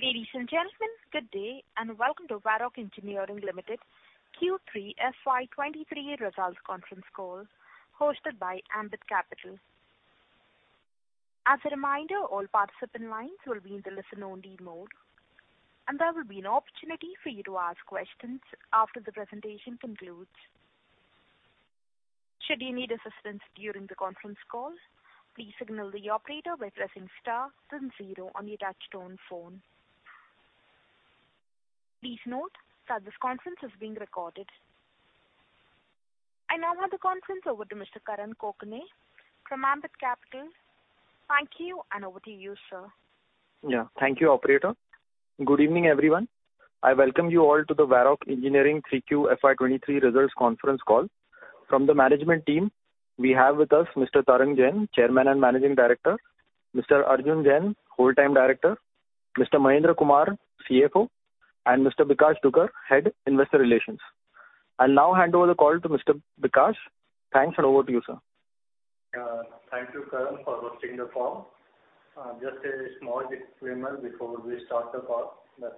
Ladies and gentlemen, good day, and welcome to Varroc Engineering Limited Q3 FY23 results conference call hosted by Ambit Capital. As a reminder, all participant lines will be in the listen only mode, and there will be an opportunity for you to ask questions after the presentation concludes. Should you need assistance during the conference call, please signal the operator by pressing star then 0 on your touch-tone phone. Please note that this conference is being recorded. I now hand the conference over to Mr. Karan Kokane from Ambit Capital. Thank you. Over to you, sir. Yeah. Thank you, operator. Good evening, everyone. I welcome you all to the Varroc Engineering 3Q FY 2023 results conference call. From the management team, we have with us Mr. Tarang Jain, Chairman and Managing Director, Mr. Arjun Jain, Whole-time Director, Mr. Mahendra Kumar, CFO, and Mr. Vikas Dugar, Head, Investor Relations. I'll now hand over the call to Mr. Vikas. Thanks, and over to you, sir. Thank you, Karan, for hosting the call. Just a small disclaimer before we start the call that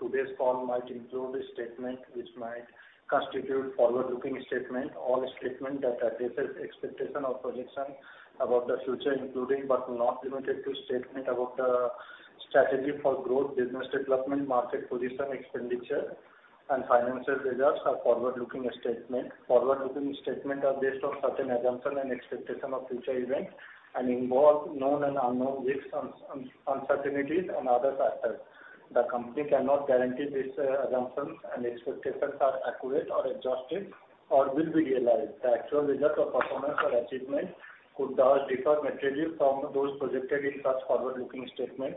today's call might include a statement which might constitute forward-looking statement. All statement that addresses expectation or projection about the future, including but not limited to statement about strategy for growth, business development, market position, expenditure and financial results are forward-looking statement. Forward-looking statement are based on certain assumption and expectation of future events and involve known and unknown risks, uncertainties and other factors. The company cannot guarantee these assumptions and expectations are accurate or exhaustive or will be realized. The actual results or performance or achievement could thus differ materially from those projected in such forward-looking statement.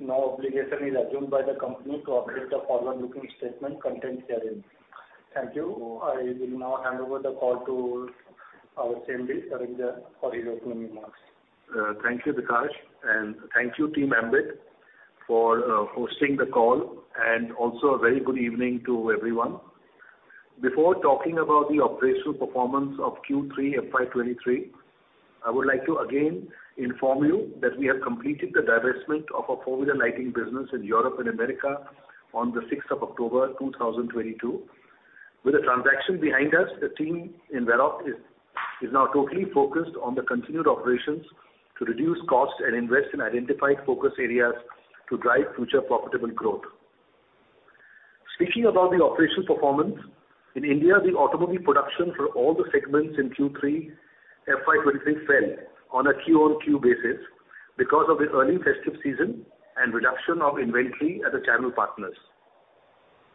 No obligation is assumed by the company to update the forward-looking statement contained herein. Thank you. I will now hand over the call to our CMD, Tarang Jain, for his opening remarks. Thank you, Vikas, and thank you, team Ambit, for hosting the call. Also a very good evening to everyone. Before talking about the operational performance of Q3 FY 2023, I would like to again inform you that we have completed the divestment of our Four-wheeler lighting business in Europe and America on the 6th of October 2022. The transaction behind us, the team in Varroc is now totally focused on the continued operations to reduce costs and invest in identified focus areas to drive future profitable growth. Speaking about the operational performance, in India the automobile production for all the segments in Q3 FY 2023 fell on a Q-on-Q basis because of the early festive season and reduction of inventory at the channel partners.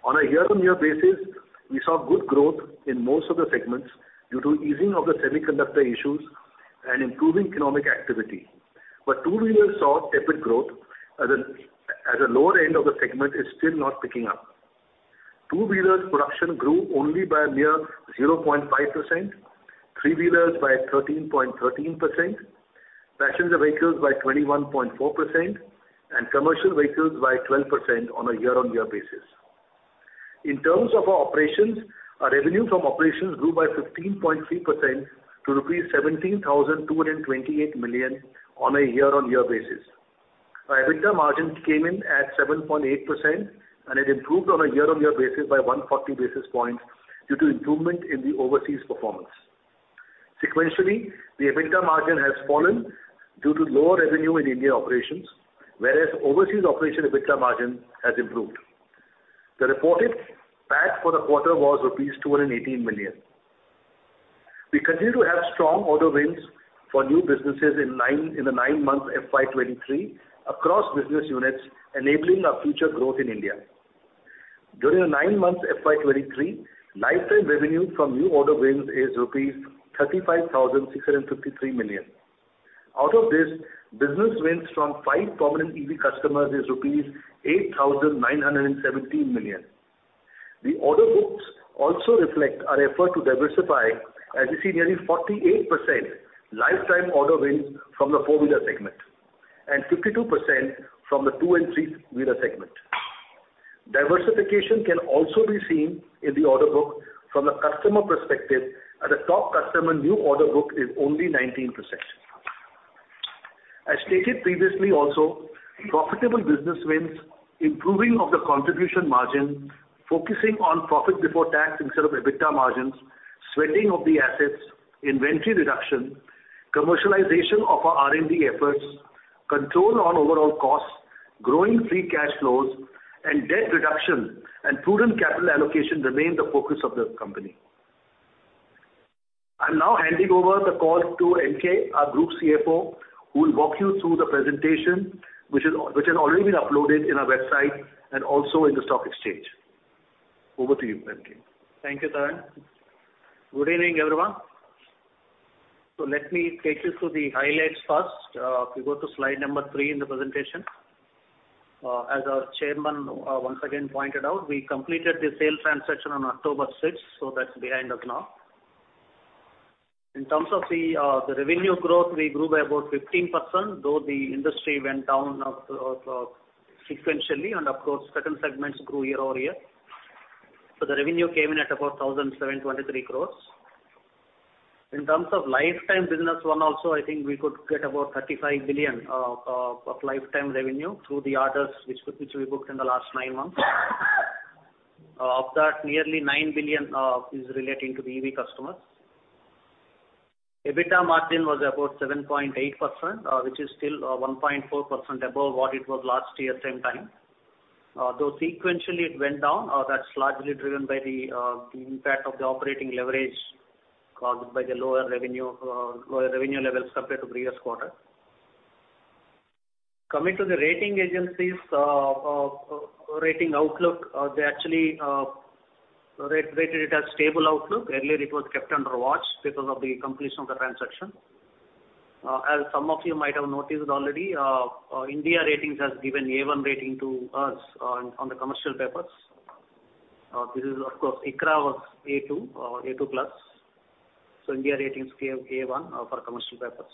On a year-on-year basis, we saw good growth in most of the segments due to easing of the semiconductor issues and improving economic activity. Two-wheelers saw tepid growth as the lower end of the segment is still not picking up. Two-wheelers production grew only by a mere 0.5%, three-wheelers by 13.13%, passenger vehicles by 21.4% and commercial vehicles by 12% on a year-on-year basis. In terms of our operations, our revenue from operations grew by 15.3% to rupees 17,228 million on a year-on-year basis. Our EBITDA margin came in at 7.8% and it improved on a year-on-year basis by 140 basis points due to improvement in the overseas performance. Sequentially, the EBITDA margin has fallen due to lower revenue in India operations, whereas overseas operation EBITDA margin has improved. The reported PAT for the quarter was rupees 218 million. We continue to have strong order wins for new businesses in the nine months FY 2023 across business units enabling our future growth in India. During the nine months FY 2023, lifetime revenue from new order wins is rupees 35,653 million. Out of this, business wins from five prominent EV customers is rupees 8,917 million. The order books also reflect our effort to diversify as we see nearly 48% lifetime order wins from the four-wheeler segment and 52% from the two and three-wheeler segment. Diversification can also be seen in the order book from a customer perspective as the top customer new order book is only 19%. As stated previously also, profitable business wins, improving of the contribution margin, focusing on profit before tax instead of EBITDA margins, sweating of the assets, inventory reduction, commercialization of our R&D efforts, control on overall costs, growing free cash flows and debt reduction and prudent capital allocation remain the focus of the company. I'm now handing over the call to NK, our Group CFO, who will walk you through the presentation which has already been uploaded in our website and also in the stock exchange. Over to you, NK. Thank you, Tarang. Good evening, everyone. Let me take you through the highlights first. If you go to slide number 3 in the presentation. As our chairman once again pointed out, we completed the sale transaction on October 6th, that's behind us now. In terms of the revenue growth, we grew by about 15%, though the industry went down sequentially and of course certain segments grew year-over-year. The revenue came in at about 1,723 crores. In terms of lifetime business one also, I think we could get about 35 billion of lifetime revenue through the orders which we booked in the last 9 months. Of that, nearly 9 billion is relating to the EV customers. EBITDA margin was about 7.8%, which is still 1.4% above what it was last year same time. Though sequentially it went down, that's largely driven by the impact of the operating leverage caused by the lower revenue levels compared to previous quarter. Coming to the rating agencies, rating outlook, they actually rated it as stable outlook. Earlier it was kept under watch because of the completion of the transaction. As some of you might have noticed already, India Ratings has given A one rating to us on the commercial papers. This is of course ICRA was A two or A two plus. India Ratings gave A one for commercial papers.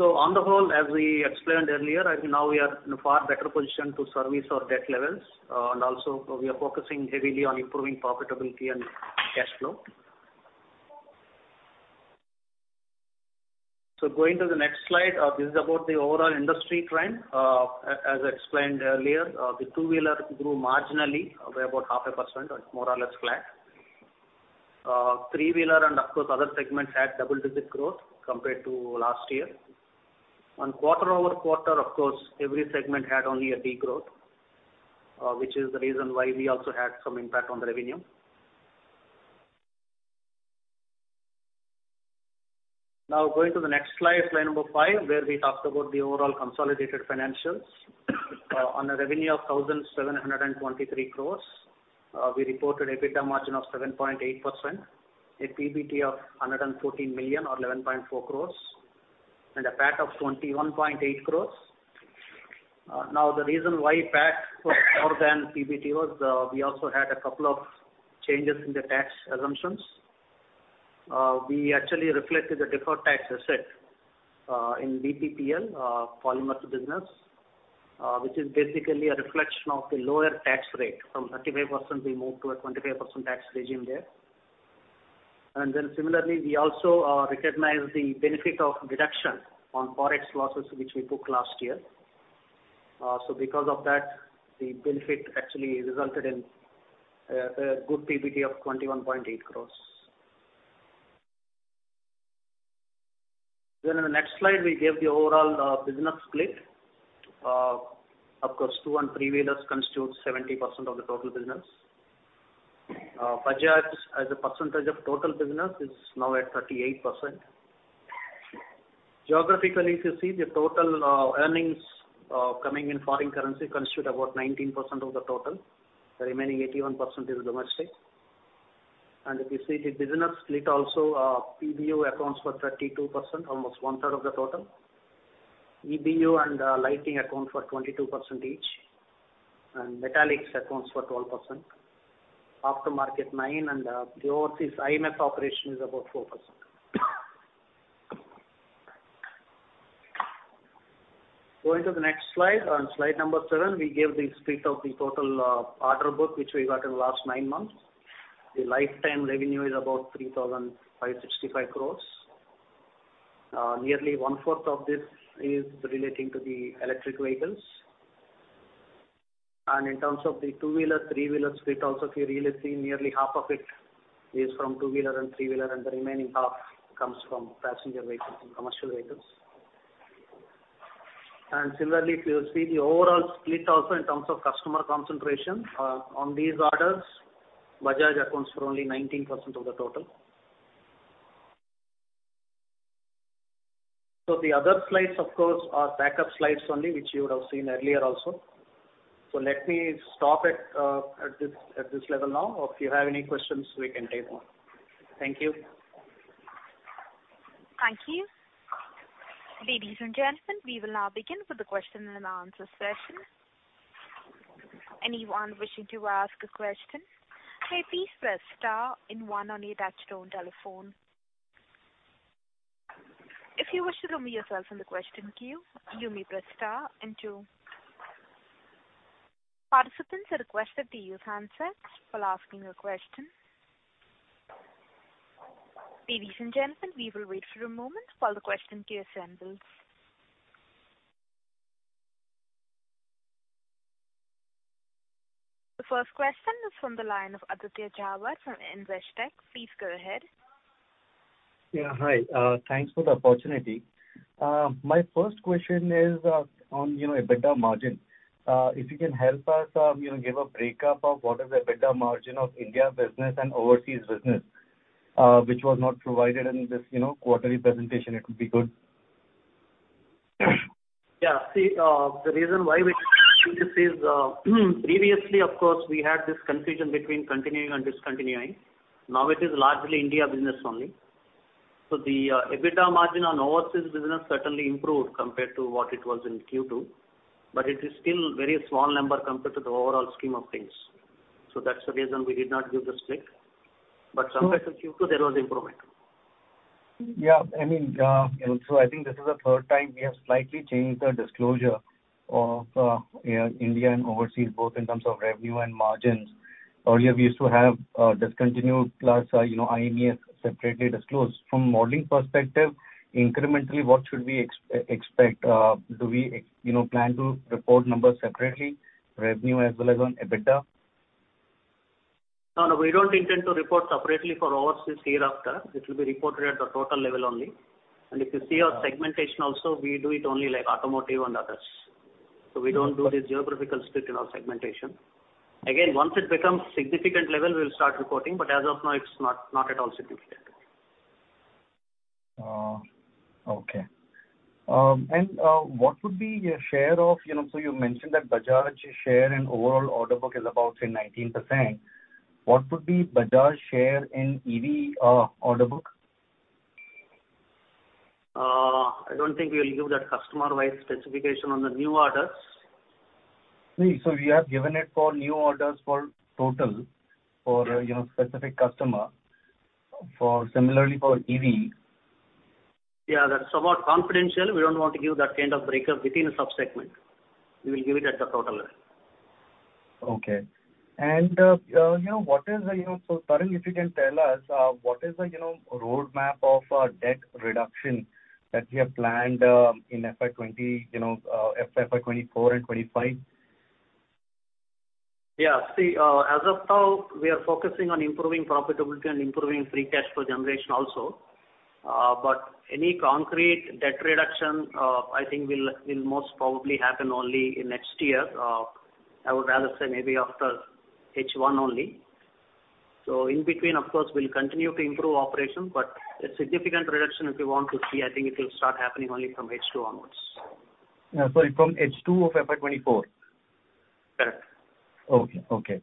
On the whole, as we explained earlier, I think now we are in a far better position to service our debt levels, and also we are focusing heavily on improving profitability and cash flow. Going to the next slide, this is about the overall industry trend. As I explained earlier, the two-wheeler grew marginally by about half a %, more or less flat. Three-wheeler and of course other segments had double-digit growth compared to last year. On quarter-over-quarter, of course, every segment had only a degrowth, which is the reason why we also had some impact on the revenue. Going to the next slide 5, where we talked about the overall consolidated financials. On a revenue of 1,723 crores, we reported EBITDA margin of 7.8%, a PBT of 114 million or 11.4 crores, and a PAT of 21.8 crores. The reason why PAT was more than PBT was, we also had a couple of changes in the tax assumptions. We actually reflected the deferred tax asset in VPPL polymers business, which is basically a reflection of the lower tax rate. From 35% we moved to a 25% tax regime there. Similarly, we also recognized the benefit of deduction on Forex losses which we booked last year. Because of that, the benefit actually resulted in a good PBT of 21.8 crores. In the next slide, we gave the overall business split. Of course, two and three-wheelers constitute 70% of the total business. Bajaj as a percentage of total business is now at 38%. Geographically, if you see the total earnings coming in foreign currency constitute about 19% of the total. The remaining 81% is domestic. If you see the business split also, PBU accounts for 32%, almost 1/3 of the total. EBU and lighting account for 22% each. Metallics accounts for 12%. Aftermarket 9, the overseas IMF operation is about 4%. Going to the next slide, on slide number 7, we gave the split of the total order book which we got in the last nine months. The lifetime revenue is about 3,565 crores. Nearly 1/4 of this is relating to the electric vehicles. In terms of the two-wheeler, three-wheeler split also if you really see nearly half of it is from two-wheeler and three-wheeler, and the remaining half comes from passenger vehicles and commercial vehicles. Similarly, if you see the overall split also in terms of customer concentration on these orders, Bajaj accounts for only 19% of the total. The other slides of course are backup slides only, which you would have seen earlier also. Let me stop at this level now. If you have any questions, we can take now. Thank you. Thank you. Ladies and gentlemen, we will now begin with the question and answer session. Anyone wishing to ask a question, please press star and one on your touch-tone telephone. If you wish to remove yourself from the question queue, you may press star and two. Participants are requested to use handsets while asking a question. Ladies and gentlemen, we will wait for a moment while the question queue assembles. The first question is from the line of Aditya Jhawar from Investec. Please go ahead. Hi, thanks for the opportunity. My first question is on, you know, EBITDA margin. If you can help us, you know, give a breakup of what is the EBITDA margin of India business and overseas business, which was not provided in this, you know, quarterly presentation, it would be good. Yeah. See, the reason why we didn't do this is, previously of course we had this confusion between continuing and discontinuing. Now it is largely India business only. The EBITDA margin on overseas business certainly improved compared to what it was in Q2, but it is still very small number compared to the overall scheme of things. That's the reason we did not give the split. Compared to Q2, there was improvement. I mean, you know, I think this is the third time we have slightly changed the disclosure of, yeah, India and overseas, both in terms of revenue and margins. Earlier, we used to have, discontinued plus, you know, IMES separately disclosed. From modeling perspective, incrementally, what should we expect, do we, you know, plan to report numbers separately, revenue as well as on EBITDA? No, no, we don't intend to report separately for overseas hereafter. It'll be reported at the total level only. If you see our segmentation also, we do it only like automotive and others. We don't do the geographical split in our segmentation. Again, once it becomes significant level, we'll start reporting, but as of now, it's not at all significant. What would be a share of, you know, so you mentioned that Bajaj share and overall order book is about say 19%? What would be Bajaj share in EV order book? I don't think we'll give that customer-wide specification on the new orders. See, you have given it for new orders for total for, you know, specific customer. For similarly for EV. Yeah, that's somewhat confidential. We don't want to give that kind of breakup within a sub-segment. We will give it at the total level. Okay. you know, what is the, you know, roadmap of, debt reduction that we have planned, in FY 20, you know, FY 24 and 25? Yeah. See, as of now, we are focusing on improving profitability and improving free cash flow generation also. Any concrete debt reduction, I think will most probably happen only in next year. I would rather say maybe after H1 only. In between, of course, we'll continue to improve operation, but a significant reduction if you want to see, I think it will start happening only from H2 onwards. Sorry, from H2 of FY24? Correct. Okay. Okay.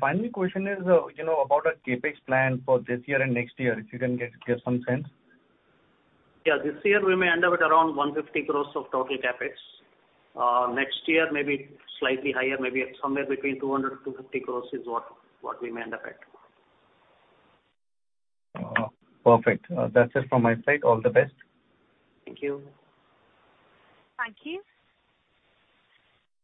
final question is, you know, about a CapEx plan for this year and next year, if you can give some sense. Yeah. This year we may end up with around 150 crores of total CapEx. Next year maybe slightly higher, maybe at somewhere between 200-250 crores is what we may end up at. Perfect. That's it from my side. All the best. Thank you. Thank you.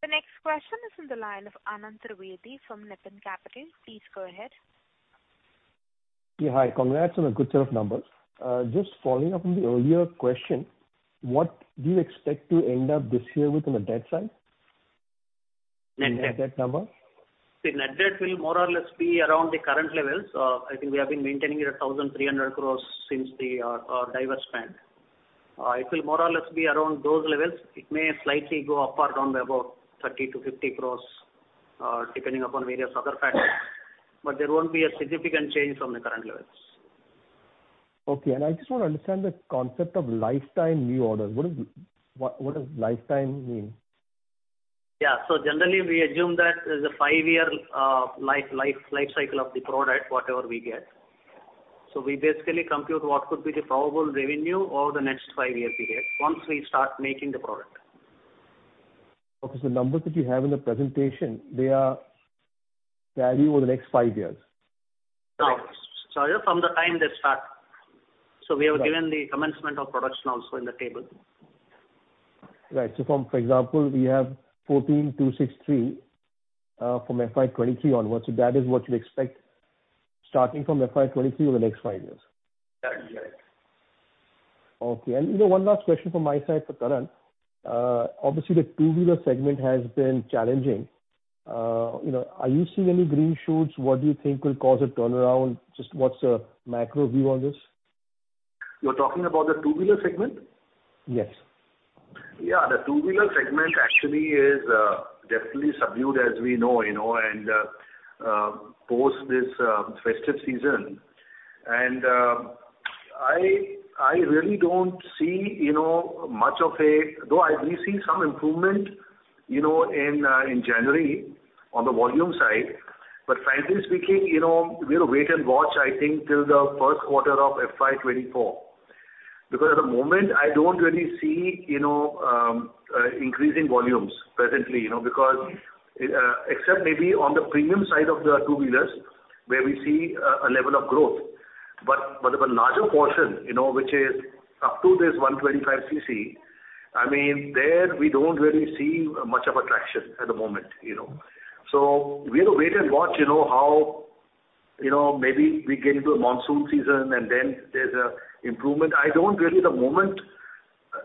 The next question is on the line of Anant Trivedi from Nipun Capital. Please go ahead. Yeah. Hi. Congrats on a good set of numbers. Just following up on the earlier question, what do you expect to end up this year with on the debt side? Net debt. Net debt number. The net debt will more or less be around the current levels. I think we have been maintaining it at 1,300 crores since the, our diverse spend. It will more or less be around those levels. It may slightly go up or down by about 30 crores-50 crores, depending upon various other factors, but there won't be a significant change from the current levels. Okay. I just want to understand the concept of lifetime new orders. What does lifetime mean? Yeah. Generally, we assume that there's a five-year life cycle of the product, whatever we get. We basically compute what could be the probable revenue over the next five years we get once we start making the product. Okay. The numbers that you have in the presentation, they are value over the next five years? No. Sorry, from the time they start. We have given the commencement of production also in the table. Right. From, for example, we have 14,263 from FY 2023 onwards. That is what you expect starting from FY 2023 over the next 5 years? That is right. Okay. You know, one last question from my side for Karan. Obviously the two-wheeler segment has been challenging. You know, are you seeing any green shoots? What do you think will cause a turnaround? Just what's the macro view on this? You're talking about the two-wheeler segment? Yes. Yeah. The two-wheeler segment actually is definitely subdued as we know, you know, and post this festive season. I really don't see, you know, Though I, we see some improvement, you know, in January on the volume side. Frankly speaking, you know, we'll wait and watch, I think, till the first quarter of FY 2024. At the moment, I don't really see, you know, increasing volumes presently, you know, except maybe on the premium side of the two-wheelers, where we see a level of growth. But the larger portion, you know, which is up to this 125cc, I mean, there we don't really see much of a traction at the moment, you know. We'll wait and watch, you know, how, you know, maybe we get into a monsoon season and then there's a improvement. I don't really the moment,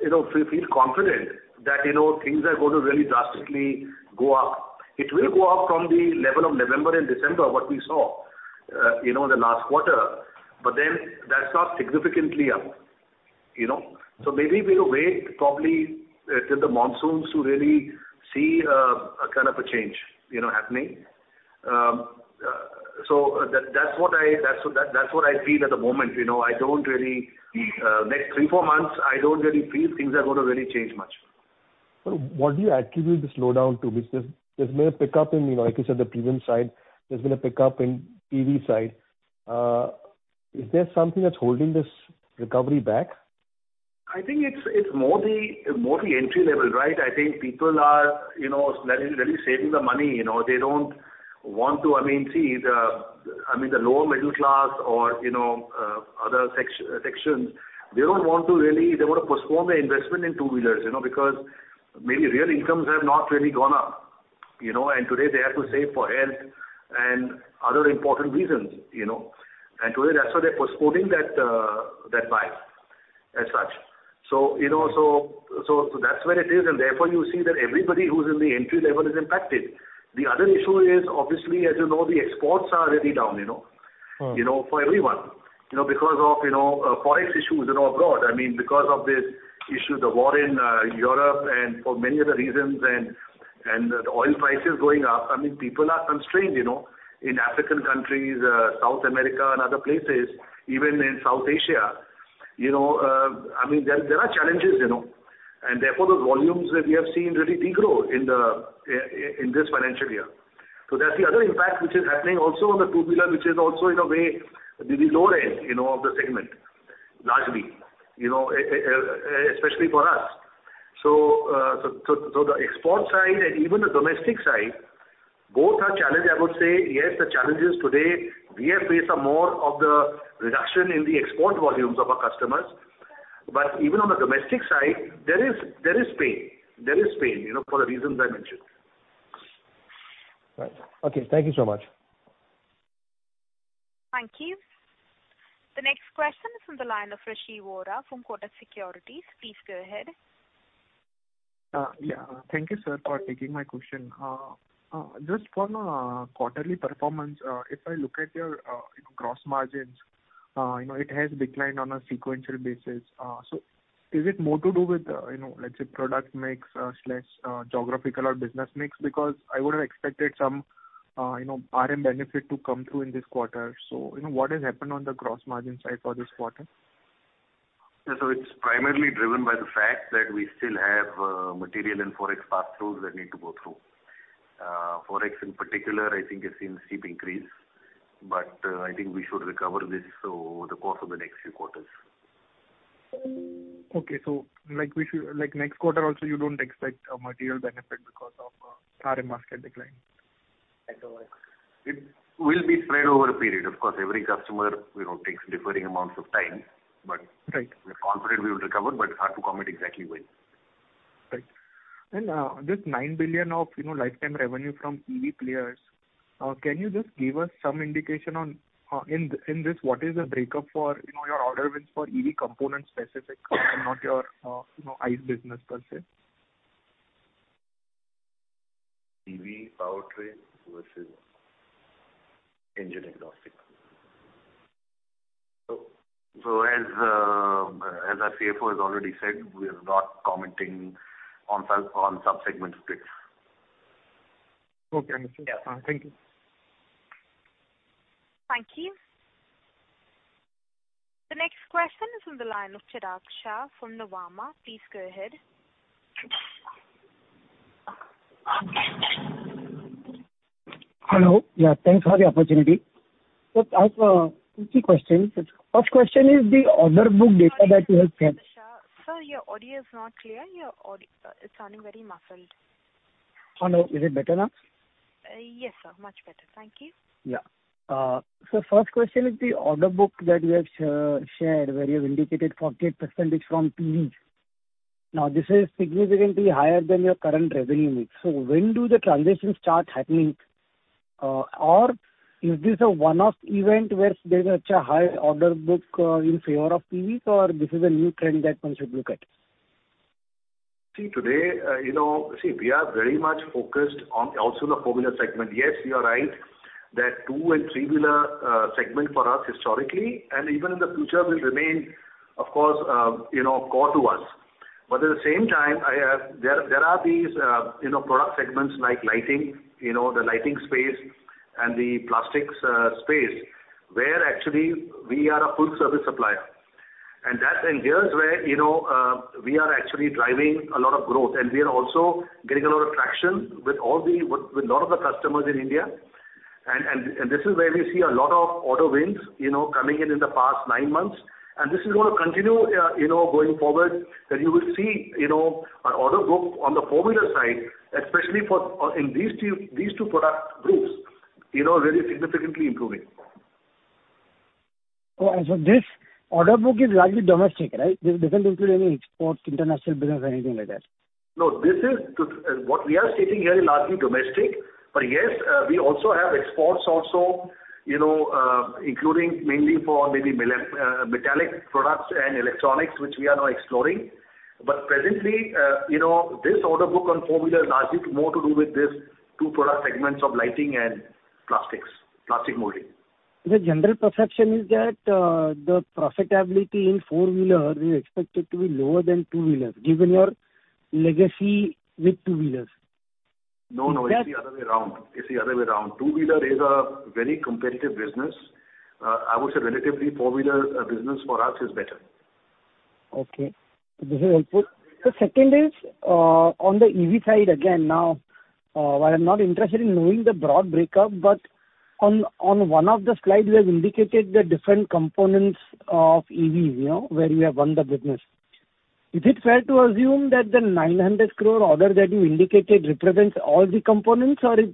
you know, feel confident that, you know, things are gonna really drastically go up. It will go up from the level of November and December, what we saw, you know, the last quarter, but then that's not significantly up, you know? Maybe we'll wait probably till the monsoons to really see a kind of a change, you know, happening. That's what I feel at the moment. You know, I don't really next 3, 4 months, I don't really feel things are gonna really change much. What do you attribute the slowdown to? Because there's been a pickup in, you know, like you said, the premium side, there's been a pickup in EV side. Is there something that's holding this recovery back? I think it's more the entry level, right? I think people are, you know, really saving the money, you know. They don't want to. I mean, see the, I mean, the lower middle class or, you know, other sections, they don't want to really they wanna postpone the investment in two-wheelers, you know, because maybe real incomes have not really gone up, you know. Today, they have to save for health and other important reasons, you know. Today, that's why they're postponing that buy, as such. You know, so that's where it is, and therefore you see that everybody who's in the entry level is impacted. The other issue is obviously, as you know, the exports are really down, you know. Mm. You know, for everyone. You know, because of, you know, Forex issues and all abroad. I mean, because of the issues, the war in Europe and for many other reasons and the oil prices going up. I mean, people are constrained, you know. In African countries, South America and other places, even in South Asia. You know, I mean, there are challenges, you know. Therefore, those volumes that we have seen really de-grow in this financial year. That's the other impact which is happening also on the two-wheeler, which is also, in a way, the lower end, you know, of the segment. Largely. You know, especially for us. The export side and even the domestic side, both are challenged, I would say. Yes, the challenge is today we have faced some more of the reduction in the export volumes of our customers. Even on the domestic side, there is pain. There is pain, you know, for the reasons I mentioned. Right. Okay, thank you so much. Thank you. The next question is from the line of Rishi Vora from Kotak Securities. Please go ahead. Yeah. Thank you, sir, for taking my question. Just on quarterly performance, if I look at your, you know, gross margins, you know, it has declined on a sequential basis. Is it more to do with, you know, let's say product mix, slash, geographical or business mix? I would have expected some, you know, RM benefit to come through in this quarter. What has happened on the gross margin side for this quarter? It's primarily driven by the fact that we still have material and Forex pass-throughs that need to go through. Forex in particular, I think has seen a steep increase, but I think we should recover this over the course of the next few quarters. Okay. Like next quarter also, you don't expect a material benefit because of RM market decline? It will be spread over a period. Of course, every customer, you know, takes differing amounts of time. Right. We're confident we will recover, but it's hard to comment exactly when. Right. This 9 billion of, you know, lifetime revenue from EV players, can you just give us some indication on, in this, what is the breakup for, you know, your order wins for EV components specific and not your, you know, ICE business per se? EV powertrain versus engine exhaust system. As our CFO has already said, we are not commenting on sub-segment splits. Okay. Understood. Yeah. Thank you. Thank you. The next question is from the line of Chirag Shah from Nuvama. Please go ahead. Hello. Yeah. Thanks for the opportunity. I have, two, three questions. First question is the order book data that you have shared- Sir, your audio is not clear. Your audio is sounding very muffled. Hello. Is it better now? Yes, sir. Much better. Thank you. Yeah. First question is the order book that you have shared, where you have indicated 48% from EVs. This is significantly higher than your current revenue mix. When do the transitions start happening? Or is this a one-off event where there is such a high order book, in favor of EVs, or this is a new trend that one should look at? See, today, you know. See, we are very much focused on also the four-wheeler segment. Yes, you are right that two- and three-wheeler segment for us historically and even in the future will remain, of course, you know, core to us. At the same time, there are these, you know, product segments like lighting, you know, the lighting space and the plastics space, where actually we are a full service supplier. That's, and here's where, you know, we are actually driving a lot of growth, and we are also getting a lot of traction with all the, with lot of the customers in India. This is where we see a lot of order wins, you know, coming in in the past nine months. This is gonna continue, you know, going forward, that you will see, you know, our order book on the four-wheeler side, especially for in these two product groups, you know, really significantly improving. This order book is largely domestic, right? This doesn't include any export, international business or anything like that? This is what we are stating here is largely domestic. Yes, we also have exports also, you know, including mainly for metallic products and electronics, which we are now exploring. Presently, you know, this order book on four-wheeler is largely more to do with these two product segments of lighting and plastics, plastic molding. The general perception is that the profitability in four-wheeler is expected to be lower than two-wheeler, given your legacy with two-wheelers. No, no. That- It's the other way around. Two-wheeler is a very competitive business. I would say relatively, four-wheeler business for us is better. Okay. This is helpful. The second is on the EV side again now. While I'm not interested in knowing the broad breakup, but on one of the slides you have indicated the different components of EV, you know, where you have won the business. Is it fair to assume that the 900 crore order that you indicated represents all the components, or if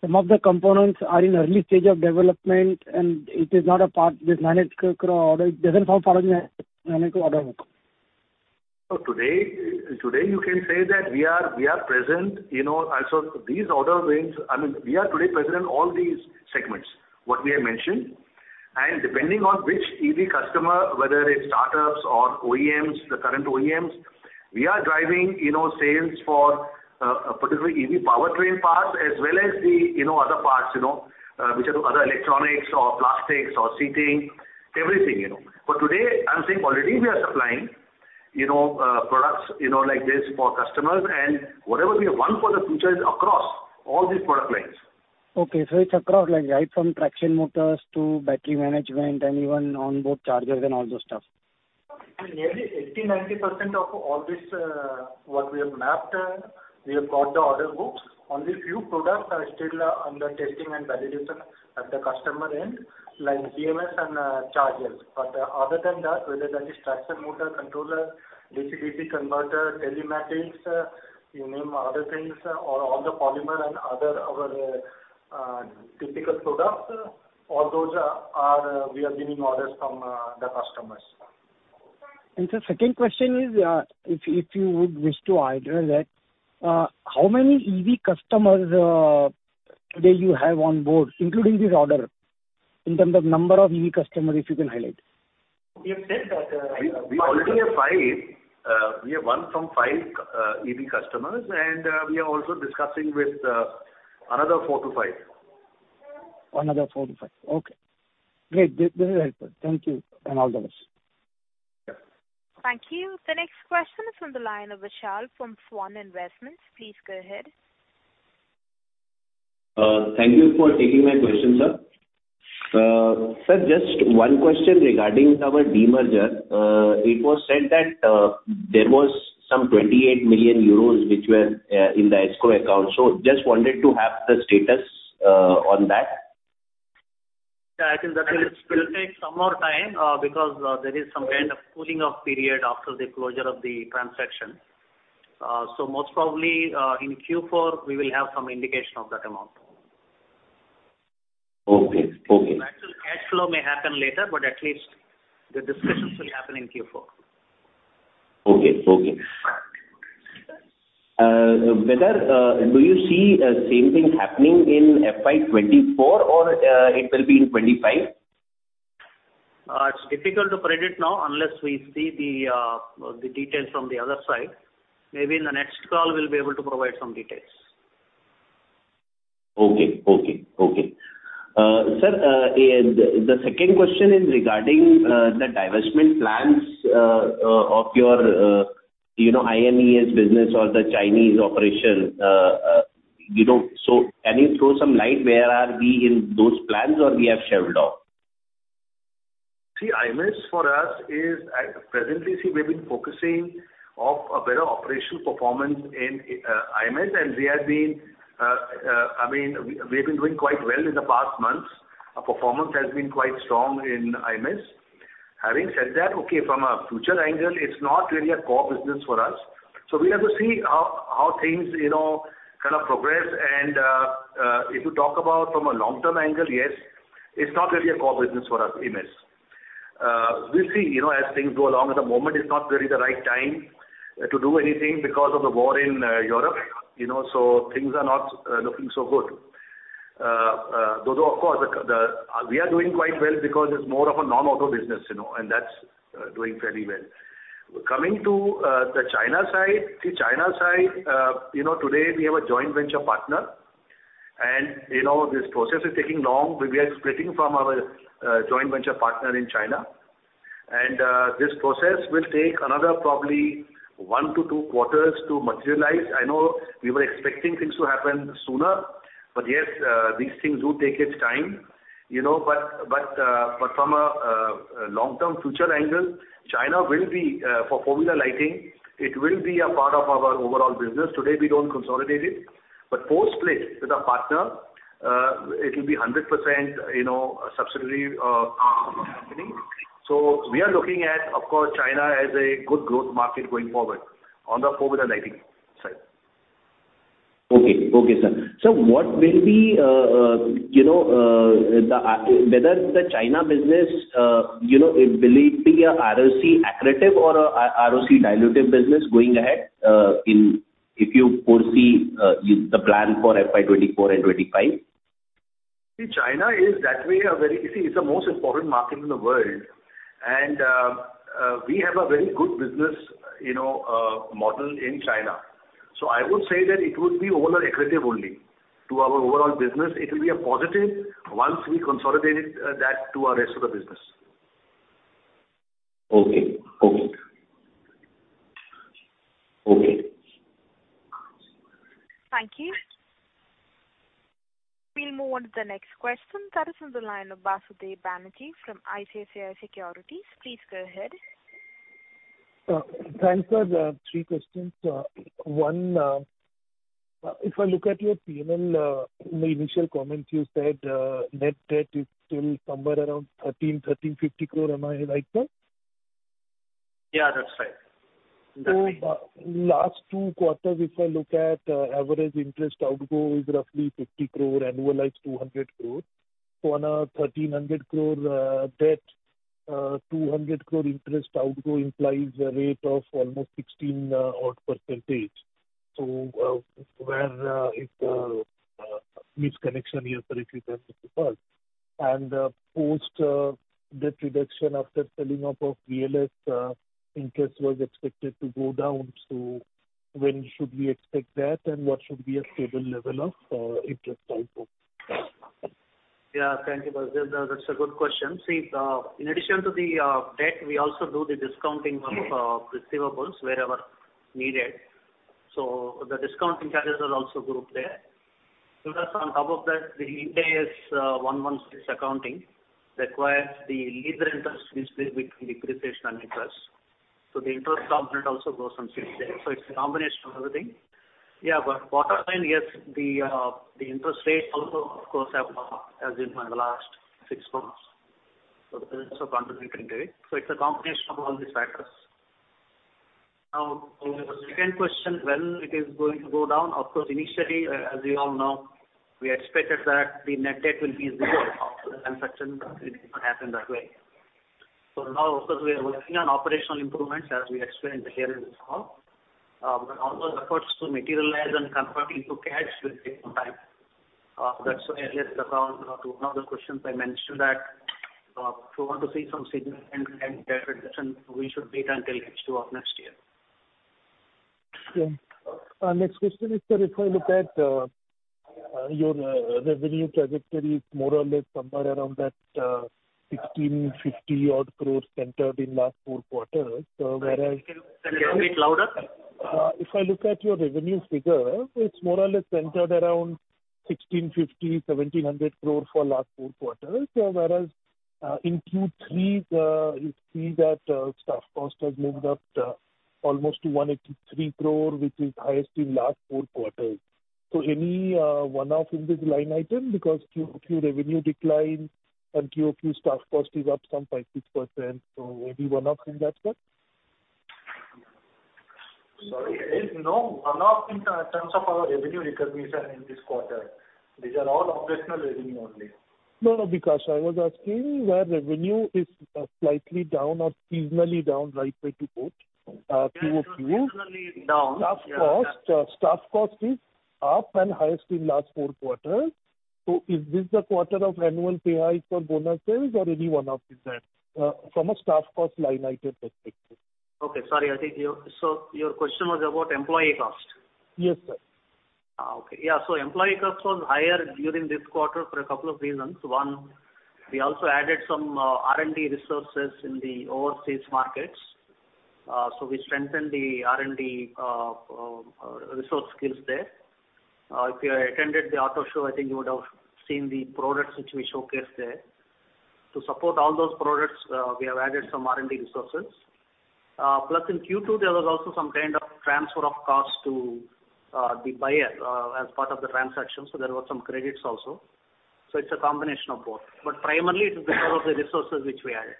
some of the components are in early stage of development and it is not a part with 900 crore order, it doesn't form part of the 900 crore order? Today you can say that we are present, you know, and so these order wins. I mean, we are today present in all these segments, what we have mentioned. Depending on which EV customer, whether it's startups or OEMs, the current OEMs, we are driving, you know, sales for particularly EV powertrain parts as well as the, you know, other parts, you know, which are the other electronics or plastics or seating, everything, you know. Today, I'm saying already we are supplying, you know, products, you know, like this for customers and whatever we have won for the future is across all these product lines. Okay. It's across like right from traction motors to battery management and even on both chargers and all those stuff. Nearly 80%, 90% of all this, what we have mapped, we have got the order books. Only few products are still under testing and validation at the customer end, like BMS and chargers. Other than that, whether that is traction motor, controller, DC-DC converter, telematics, you name other things, or all the polymer and other our typical products, all those are we are getting orders from the customers. The second question is, if you would wish to address that, how many EV customers today you have on board, including this order, in terms of number of EV customers, if you can highlight? We have said that. We already have 5. We have won from 5 EV customers, and we are also discussing with another 4-5. Another 4 to 5. Okay. Great. This is helpful. Thank you. All the best. Yeah. Thank you. The next question is on the line of Vishal from Swan Investments. Please go ahead. Thank you for taking my question, sir. Sir, just one question regarding our demerger. It was said that there was some 28 million euros which were in the escrow account. Just wanted to have the status on that. Yeah, I think that will take some more time, because there is some kind of cooling off period after the closure of the transaction. Most probably, in Q4, we will have some indication of that amount. Okay. Okay. Actual cash flow may happen later, but at least the discussions will happen in Q4. Okay. Whether do you see same thing happening in FY 2024 or it will be in 2025? It's difficult to predict now unless we see the details from the other side. Maybe in the next call we'll be able to provide some details. Okay. Okay. Okay. Sir, the second question is regarding the divestment plans of your, you know, IMF business or the Chinese operations. You know, can you throw some light where are we in those plans or we have shelved off? See, IMES for us. Presently, see, we've been focusing of a better operational performance in IMES, I mean, we've been doing quite well in the past months. Our performance has been quite strong in IMES. Having said that, okay, from a future angle, it's not really a core business for us. we have to see how things, you know, kind of progress. if you talk about from a long-term angle, yes, it's not really a core business for us, IMES. we'll see, you know, as things go along. At the moment, it's not really the right time to do anything because of the war in Europe, you know, things are not looking so good. We are doing quite well because it's more of a non-auto business, you know, and that's doing fairly well. Coming to the China side. See, China side, you know, today we have a joint venture partner. You know, this process is taking long. We are splitting from our joint venture partner in China. This process will take another probably 1 to 2 quarters to materialize. I know we were expecting things to happen sooner. Yes, these things do take its time, you know. From a long-term future angle, China will be for four-wheeler lighting, it will be a part of our overall business. Today, we don't consolidate it. Post-split with our partner, it will be 100%, you know, a subsidiary happening. We are looking at, of course, China as a good growth market going forward on the Four-wheeler lighting side. Okay. Okay, sir. What will be, you know, whether the China business, you know, will it be a ROC accretive or a ROC dilutive business going ahead, if you foresee the plan for FY 2024 and 2025? China is that way a very. You see, it's the most important market in the world. We have a very good business, you know, model in China. I would say that it would be overall accretive only to our overall business. It will be a positive once we consolidate it, that to our rest of the business. Okay. Okay. Okay. Thank you. We'll move on to the next question. That is on the line of Basudeb Banerjee from ICICI Securities. Please go ahead. Thanks, sir. Three questions. One, if I look at your P&L, in the initial comments you said, net debt is still somewhere around 1,300, 1,350 crore. Am I right, sir? Yeah, that's right. That's right. Last two quarters, if I look at average interest outgo is roughly 50 crore, annualized 200 crore. On a 1,300 crore debt, 200 crore interest outgo implies a rate of almost 16 odd %. Where is the misconnection here for if you can recall? Post debt reduction after selling off VLS, interest was expected to go down. When should we expect that, and what should be a stable level of interest outgo? Yeah. Thank you, Basudeb. That's a good question. See, in addition to the debt, we also do the discounting. Mm-hmm. receivables wherever needed. The discount charges are also grouped there. Plus on top of that, the India is one month's accounting requires the lesser interest to be split between depreciation and interest. The interest component also goes on six days. It's a combination of everything. Yeah. Bottom line, yes, the interest rates also of course have gone up as in the last six months. That is also contributing to it. It's a combination of all these factors. On your second question, when it is going to go down. Of course, initially, as we all know, we expected that the net debt will be zero after the transaction, but it didn't happen that way. Now, of course, we are working on operational improvements as we explained earlier in this call. All those efforts to materialize and convert into cash will take some time. That's why earlier around, to one of the questions I mentioned that, if you want to see some significant net debt reduction, we should wait until H2 of next year. Yeah. Next question is, sir, if I look at your revenue trajectory, it's more or less somewhere around that 1,650 odd crores centered in last 4 quarters. Can you speak louder? If I look at your revenue figure, it's more or less centered around 1,650 crore-1,700 crore for last four quarters. Whereas, in Q3, you see that staff cost has moved up almost to 183 crore, which is highest in last four quarters. Any one-off in this line item? Because QOQ revenue declined and QOQ staff cost is up some 5%-6%. Any one-offs in that, sir? Sorry. There is no one-off in terms of our revenue recognition in this quarter. These are all operational revenue only. No, no, Vikas. I was asking where revenue is slightly down or seasonally down, right way to put QOQ. Yeah. seasonally down. Yeah. Staff cost is up and highest in last 4 quarters. Is this the quarter of annual pay hikes or bonuses or any one-off is there, from a staff cost line item perspective? Sorry. I think your question was about employee cost. Yes, sir. Okay. Yeah. Employee cost was higher during this quarter for a couple of reasons. One, we also added some R&D resources in the overseas markets. We strengthened the R&D resource skills there. If you had attended the auto show, I think you would have seen the products which we showcased there. To support all those products, we have added some R&D resources. In Q2, there was also some kind of transfer of cost to the buyer as part of the transaction, so there were some credits also. It's a combination of both. Primarily it is because of the resources which we added.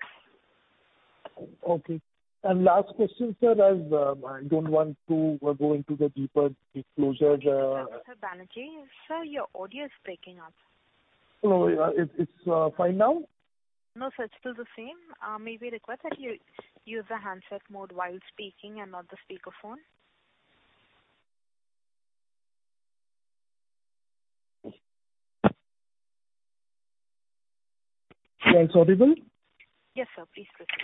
Okay. And last question, sir, as I don't want to go into the deeper disclosures. Sir Banerjee, Sir, your audio is breaking up. Hello. Yeah. Is fine now? No, sir. It's still the same. May we request that you use the handset mode while speaking and not the speaker phone? Now it's audible? Yes, sir. Please proceed.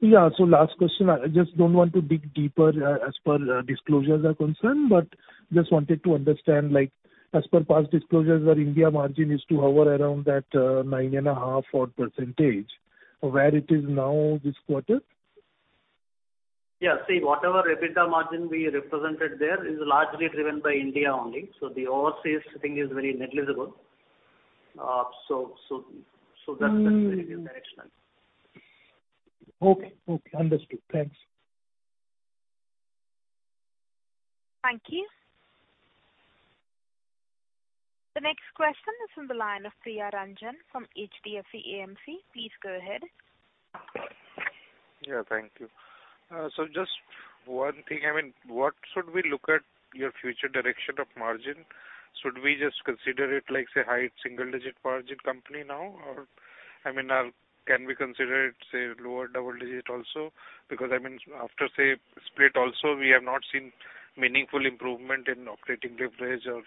Yeah. Last question. I just don't want to dig deeper, as per disclosures are concerned, but just wanted to understand, like as per past disclosures, our India margin is to hover around that 9.5% odd. Where it is now this quarter? Yeah. See, whatever EBITDA margin we represented there is largely driven by India only. Mm-hmm. the direction. Okay. Okay. Understood. Thanks. Thank you. The next question is from the line of Priya Ranjan from HDFC AMC. Please go ahead. Yeah. Thank you. Just one thing. I mean, what should we look at your future direction of margin? Should we just consider it like, say, high single digit margin company now? Or I mean, can we consider it, say, lower double digit also? Because I mean, after, say, split also, we have not seen meaningful improvement in operating leverage or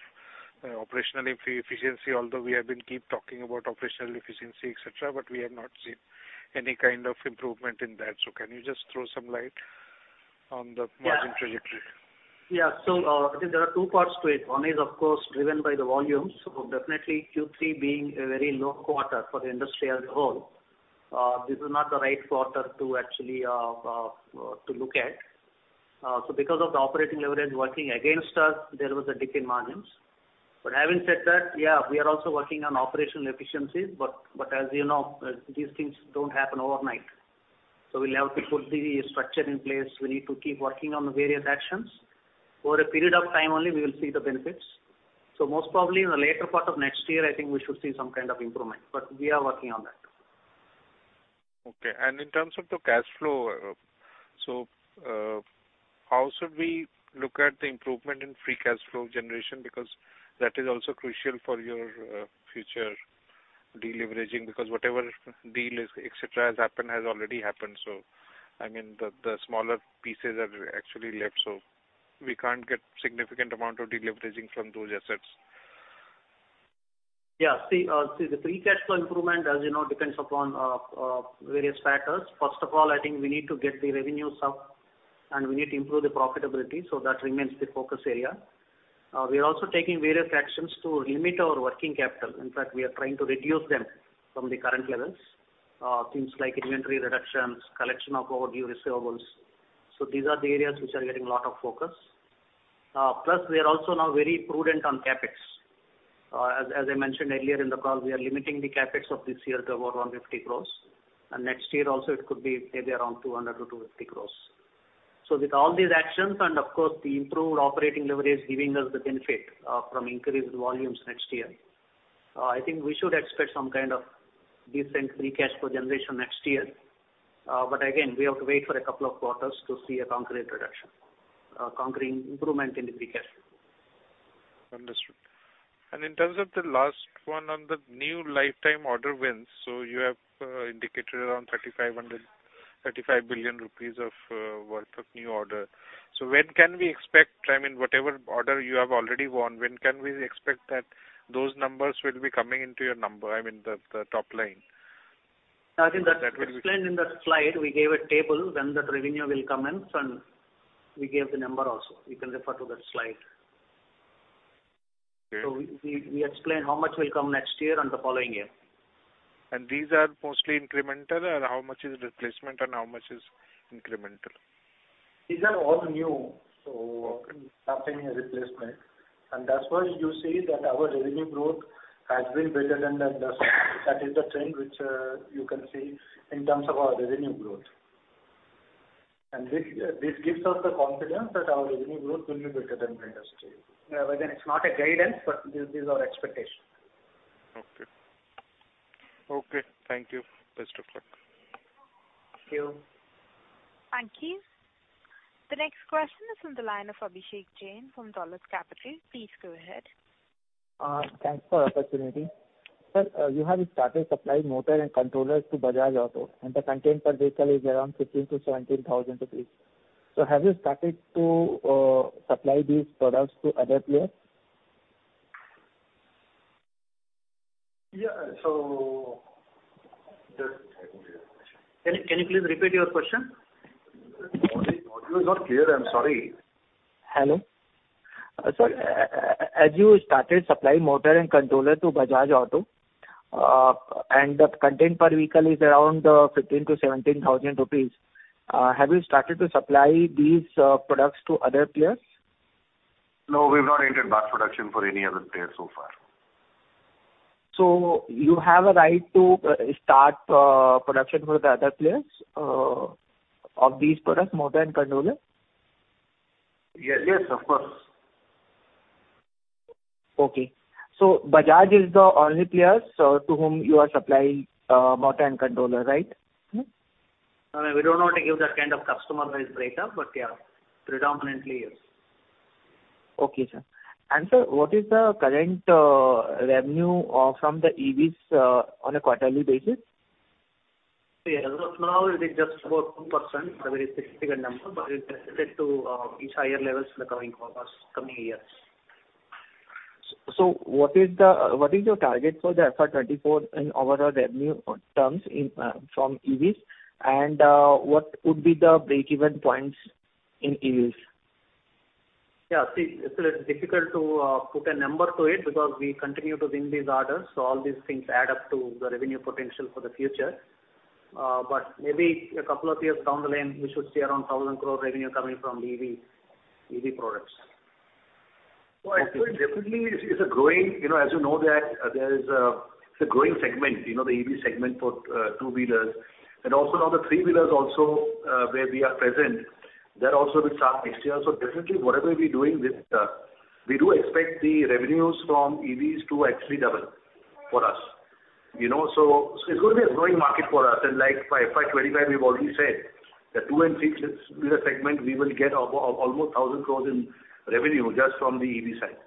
operational efficiency, although we have been keep talking about operational efficiency, et cetera, but we have not seen any kind of improvement in that. Can you just throw some light on the- Yeah. margin trajectory? Yeah. I think there are two parts to it. One is, of course, driven by the volumes. Definitely Q3 being a very low quarter for the industry as a whole, this is not the right quarter to actually to look at. Because of the operating leverage working against us, there was a dip in margins. Having said that, yeah, we are also working on operational efficiencies, but as you know, these things don't happen overnight. We'll have to put the structure in place. We need to keep working on the various actions. Over a period of time only we will see the benefits. Most probably in the later part of next year, I think we should see some kind of improvement, but we are working on that. Okay. In terms of the cash flow, how should we look at the improvement in free cash flow generation? That is also crucial for your future deleveraging, because whatever deal, et cetera, has happened, has already happened. I mean, the smaller pieces are actually left. We can't get significant amount of deleveraging from those assets. Yeah. See, the free cash flow improvement, as you know, depends upon various factors. First of all, I think we need to get the revenues up and we need to improve the profitability. That remains the focus area. We are also taking various actions to limit our working capital. In fact, we are trying to reduce them from the current levels, things like inventory reductions, collection of overdue receivables. These are the areas which are getting lot of focus. Plus we are also now very prudent on CapEx. As I mentioned earlier in the call, we are limiting the CapEx of this year to about 150 crores. Next year also it could be maybe around 200-250 crores. With all these actions and of course the improved operating leverage giving us the benefit, from increased volumes next year, I think we should expect some kind of decent free cash flow generation next year. Again, we have to wait for a couple of quarters to see a concrete reduction, concrete improvement in the free cash flow. Understood. In terms of the last one on the new lifetime order wins, you have indicated around 35 billion rupees worth of new order. When can we expect, I mean, whatever order you have already won, when can we expect that those numbers will be coming into your number, I mean the top line? I think that's explained in the slide. We gave a table when that revenue will come in, and we gave the number also. You can refer to that slide. Okay. We explained how much will come next year and the following year. These are mostly incremental? How much is replacement and how much is incremental? These are all new, so nothing replacement. That's why you see that our revenue growth has been better than the industry. That is the trend which you can see in terms of our revenue growth. This gives us the confidence that our revenue growth will be better than the industry. Again, it's not a guidance, but this is our expectation. Okay. Okay, thank you. Best of luck. Thank you. Thank you. The next question is from the line of Abhishek Jain from Dolat Capital. Please go ahead. Thanks for opportunity. Sir, you have started supplying motor and controllers to Bajaj Auto, and the content per vehicle is around 15,000-17,000 rupees. Have you started to supply these products to other players? Can you please repeat your question? The audio is not clear. I'm sorry. Hello? Sir, as you started supplying motor and controller to Bajaj Auto, and the content per vehicle is around, 15,000-17,000 rupees. Have you started to supply these products to other players? No, we've not entered mass production for any other player so far. You have a right to start production with the other players, of these products, motor and controller? Yes, of course. Okay. Bajaj is the only players, to whom you are supplying, motor and controller, right? I mean, we don't want to give that kind of customer-wise breakup, but yeah, predominantly, yes. Okay, sir. Sir, what is the current revenue from the EVs on a quarterly basis? Yeah. As of now it is just about 2%. Not a very significant number, but it's expected to reach higher levels in the coming years. What is your target for the FY 2024 in overall revenue terms in from EVs and what would be the break-even points in EVs? Yeah. See, it's difficult to put a number to it because we continue to win these orders, so all these things add up to the revenue potential for the future. Maybe a couple of years down the line, we should see around 1,000 crore revenue coming from EV products. Well, I think definitely it's a growing, you know, as you know that there is, it's a growing segment, you know, the EV segment for two-wheelers, and also now the three-wheelers also, where we are present, that also will start next year. Definitely whatever we're doing with, we do expect the revenues from EVs to actually double for us, you know? It's going to be a growing market for us. Like by FY25, we've already said the two and three-wheeler segment, we will get almost 1,000 crores in revenue just from the EV side.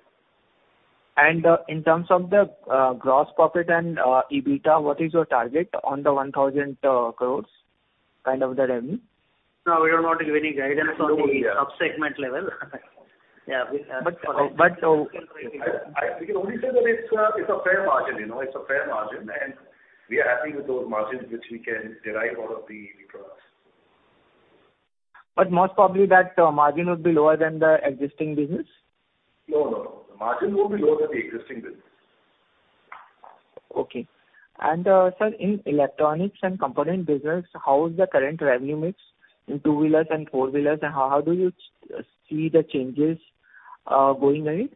In terms of the gross profit and EBITDA, what is your target on the 1,000 crores kind of the revenue? No, we don't want to give any guidance on the sub-segment level. Yeah. But, but- I, we can only say that it's a fair margin, you know, it's a fair margin. We are happy with those margins which we can derive out of the EV products. Most probably that, margin would be lower than the existing business? No, no. The margin won't be lower than the existing business. Okay. Sir, in electronics and component business, how is the current revenue mix in two-wheelers and four-wheelers, and how do you see the changes going ahead?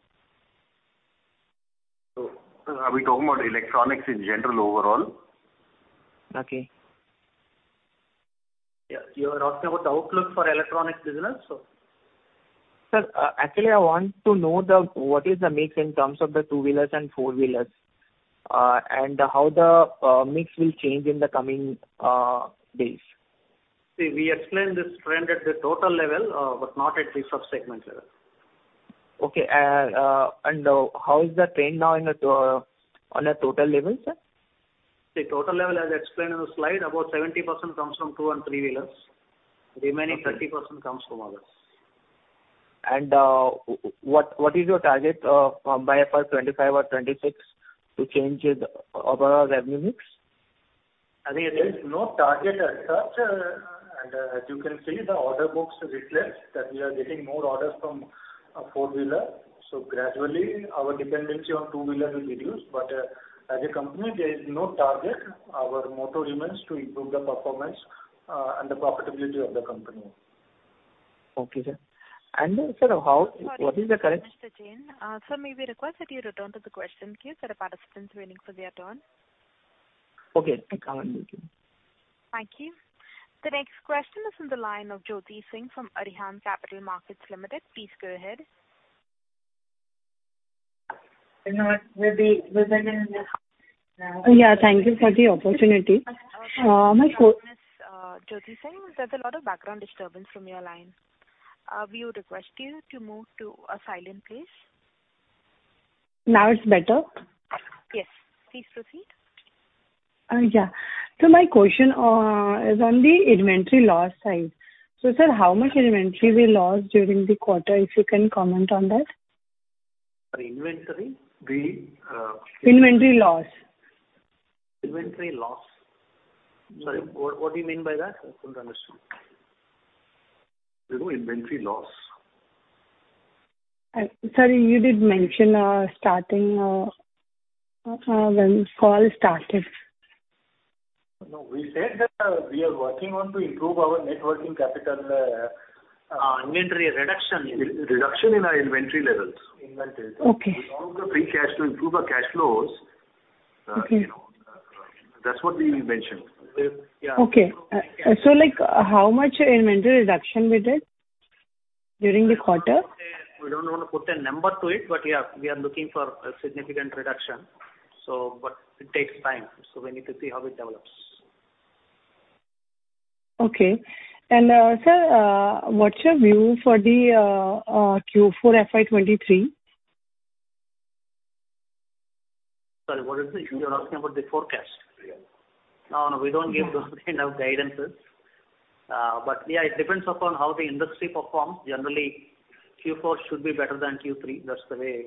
Are we talking about electronics in general overall? Okay. Yeah. You are asking about the outlook for electronics business, so. Sir, actually I want to know what is the mix in terms of the two-wheelers and four-wheelers, and how the mix will change in the coming days? We explained this trend at the total level, but not at the sub-segment level. Okay. How is the trend now on a total level, sir? The total level, as explained in the slide, about 70% comes from two- and three-wheelers. Okay. Remaining 30% comes from others. What is your target, by FY 25 or 26 to change the overall revenue mix? I think there is no target as such. As you can see, the order books reflect that we are getting more orders from four-wheeler. Gradually our dependency on two-wheeler will reduce. As a company, there is no target. Our motto remains to improve the performance and the profitability of the company. Okay, sir. Sir, what is the current- Sorry to interrupt, Mr. Jain. Sir, may we request that you return to the question queue? There are participants waiting for their turn. Okay. Thank you. Thank you. The next question is from the line of Jyoti Singh from Arihant Capital Markets Limited. Please go ahead. You know what? We'll begin in just now. Yeah. Thank you for the opportunity. Sorry to interrupt, Jyoti Singh. There's a lot of background disturbance from your line. We would request you to move to a silent place. Now it's better? Yes. Please proceed. Yeah. My question is on the inventory loss side. Sir, how much inventory we lost during the quarter, if you can comment on that? Our inventory, we. Inventory loss. Inventory loss. Sorry. Sorry. What do you mean by that? I couldn't understand. You know, inventory loss. Sorry, you did mention, starting, when call started. No, we said that we are working on to improve our net working capital, inventory reduction. Re-reduction in our inventory levels. Inventories. Okay. Along with the free cash to improve our cash flows. Okay. you know. That's what we mentioned. Yeah. Okay. like, how much inventory reduction we did during the quarter? We don't wanna put a number to it, but yeah, we are looking for a significant reduction, so but it takes time, so we need to see how it develops. Okay. Sir, what's your view for the Q4 FY 23? Sorry, what is it? You're asking about the forecast? Yeah. No, we don't give those kind of guidances. Yeah, it depends upon how the industry performs. Generally, Q4 should be better than Q3. That's the way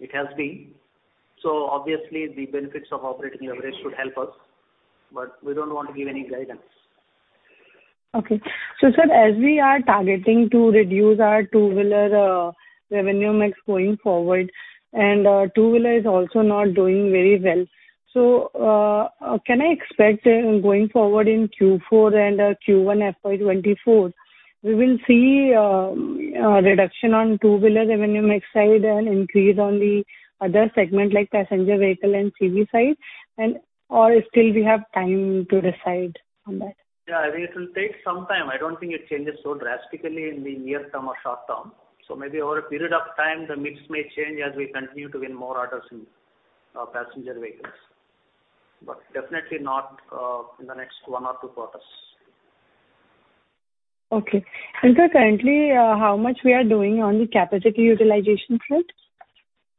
it has been. Obviously the benefits of operating leverage should help us, but we don't want to give any guidance. Sir, as we are targeting to reduce our two-wheeler revenue mix going forward and two-wheeler is also not doing very well, can I expect going forward in Q4 and Q1 FY 2024, we will see a reduction on two-wheeler revenue mix side and increase on the other segment like passenger vehicle and TV side? Or still we have time to decide on that? Yeah. I think it will take some time. I don't think it changes so drastically in the near term or short term. Maybe over a period of time, the mix may change as we continue to win more orders in passenger vehicles, but definitely not in the next 1 or 2 quarters. Okay. Sir, currently, how much we are doing on the capacity utilization front?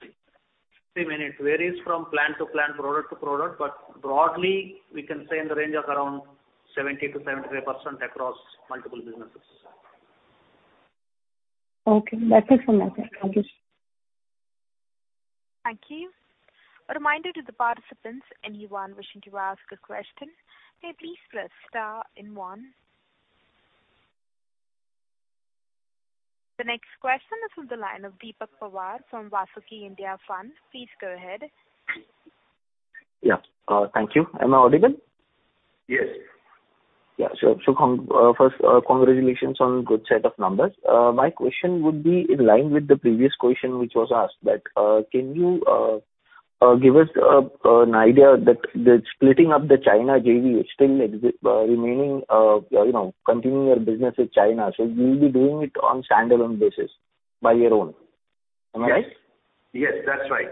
See, I mean, it varies from plant to plant, product to product, but broadly we can say in the range of around 70%-73% across multiple businesses. That's it from my side. Thank you, sir. Thank you. A reminder to the participants, anyone wishing to ask a question, please press star and one. The next question is from the line of Deepak Pawar from Vasuki India Fund. Please go ahead. Yeah. thank you. Am I audible? Yes. Yeah. First, congratulations on good set of numbers. My question would be in line with the previous question which was asked that, can you give us an idea that the splitting up the China JV is still remaining, you know, continuing your business with China, so you'll be doing it on standalone basis by your own. Am I right? Yes. Yes, that's right.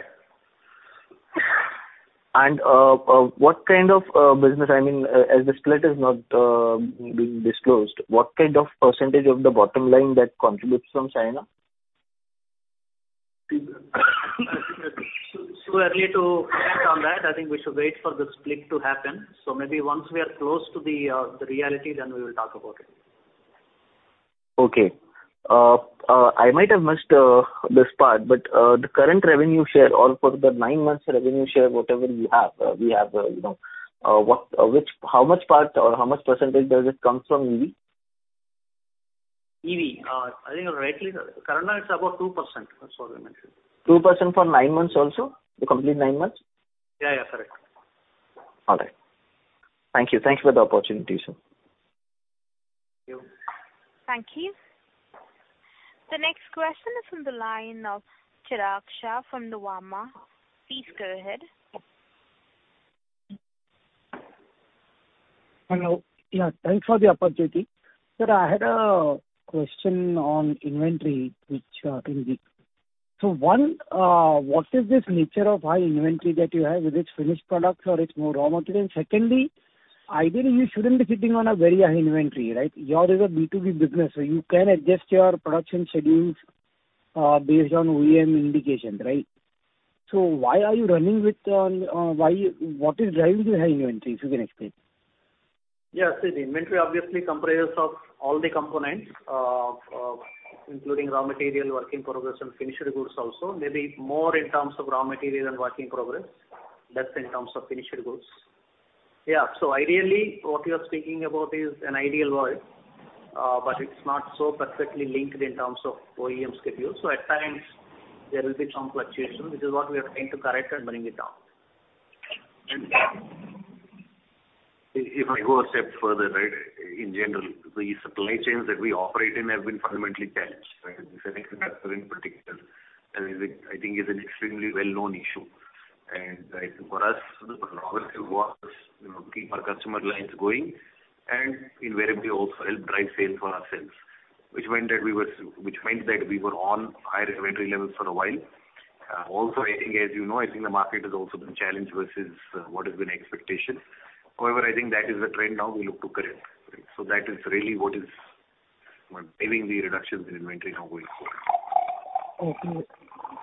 What kind of business, I mean, as the split is not being disclosed, what kind of percentage of the bottom line that contributes from China? It's too early to act on that. I think we should wait for the split to happen. Maybe once we are close to the reality, then we will talk about it. Okay. I might have missed this part, but the current revenue share or for the 9 months revenue share, whatever you have, we have, you know, what, which, how much part or how much % does it come from EV? EV. I think rightly, currently it's above 2%. That's what we mentioned. 2% for 9 months also? The complete 9 months? Yeah, yeah. Correct. All right. Thank you. Thanks for the opportunity, sir. Thank you. Thank you. The next question is from the line of Chirag Shah from Nuvama. Please go ahead. Hello. Yeah, thanks for the opportunity. Sir, I had a question on inventory which, one, what is this nature of high inventory that you have, whether it's finished products or it's more raw material? Secondly, ideally, you shouldn't be sitting on a very high inventory, right? Yours is a B2B business, you can adjust your production schedules, based on OEM indication, right? What is driving the high inventory if you can explain? See, the inventory obviously comprises of all the components, including raw material, work-in-progress and finished goods also, maybe more in terms of raw material and work-in-progress, less in terms of finished goods. Ideally, what you are speaking about is an ideal world, but it's not so perfectly linked in terms of OEM schedules. At times there will be some fluctuation, which is what we are trying to correct and bring it down. If I go a step further, right, in general, the supply chains that we operate in have been fundamentally challenged, right? The semiconductor in particular, I think, is an extremely well-known issue. I think for us, the priority was, you know, keep our customer lines going and invariably also help drive sales for ourselves, which meant that we were on higher inventory levels for a while. Also I think as you know, I think the market has also been challenged versus what has been expectation. However, I think that is the trend now we look to correct. That is really what is, you know, driving the reductions in inventory now going forward. Okay.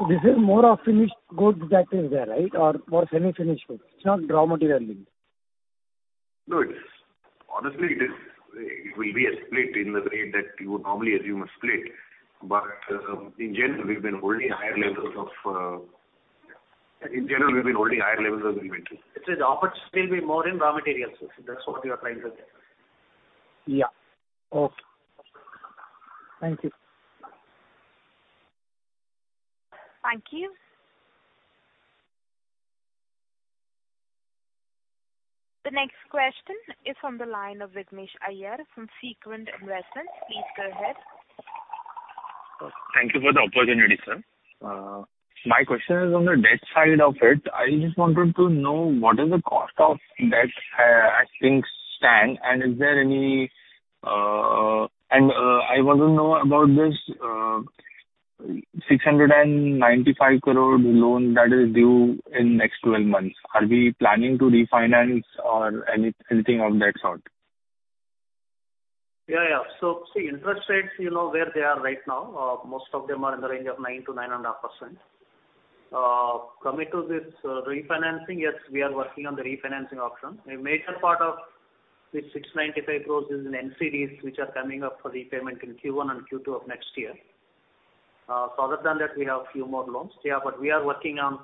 This is more of finished goods that is there, right? More semi-finished goods. It's not raw material linked. No, it's honestly, it will be a split in the way that you would normally assume a split. In general, we've been holding higher levels of inventory. It's the opportunity will be more in raw materials. That's what we are trying to say. Yeah. Okay. Thank you. Thank you. The next question is from the line of Vignesh Iyer from Sequent Investments. Please go ahead. Thank you for the opportunity, sir. My question is on the debt side of it. I just wanted to know what is the cost of debt, I think stand, and is there any. I want to know about this 695 crore loan that is due in next 12 months. Are we planning to refinance or anything of that sort? Yeah. See, interest rates, you know, where they are right now. Most of them are in the range of 9% to 9.5%. Coming to this refinancing, yes, we are working on the refinancing option. A major part of this 695 crores is in NCDs, which are coming up for repayment in Q1 and Q2 of next year. Other than that, we have few more loans. We are working on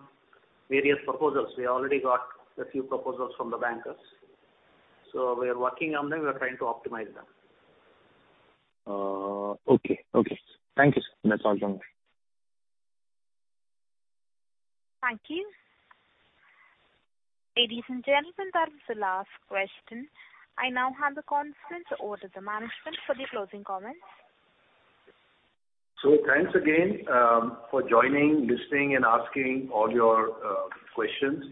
various proposals. We already got a few proposals from the bankers. We are working on them. We are trying to optimize them. Okay. Thank you, sir. That's all from me. Thank you. Ladies and gentlemen, that was the last question. I now hand the conference over to management for the closing comments. Thanks again, for joining, listening and asking all your questions.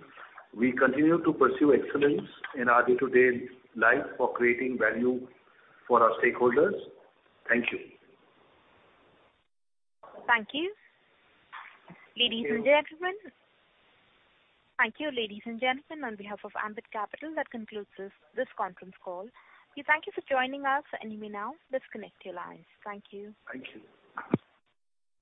We continue to pursue excellence in our day-to-day life for creating value for our stakeholders. Thank you. Thank you, ladies and gentlemen. On behalf of Ambit Capital, that concludes this conference call. We thank you for joining us. You may now disconnect your lines. Thank you. Thank you.